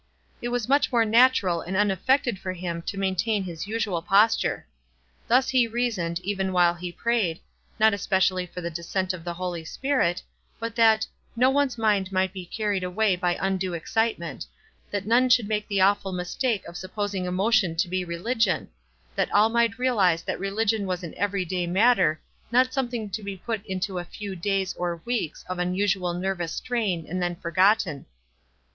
It was much more natural and unaffected for him to maintain his usual posture. Thus he reasoned, even while he prayed, not especially for the de scent of the Holy Spirit, but that "no one's mind might be carried away by undue excitement; that none should make the awful mistake of supposing emotion to be religion ; that all might realize that religion w 7 as an every day matter, not something to be put into a few days or weeks 332 WISE AND OTHERWISE. of unusual nervous strain, and then forgotten."